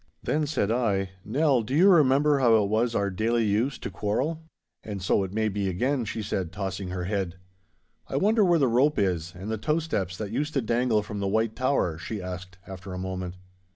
Then said I, 'Nell, do you remember how it was our daily use to quarrel?' 'And so it may be again,' she said, tossing her head. 'I wonder where the rope is, and the tow steps that used to dangle from the White Tower?' she asked after a moment.